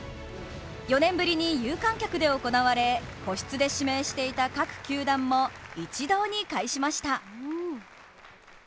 ４年ぶりに有観客で行われ、個室で指名していた各球団も一堂に会しました。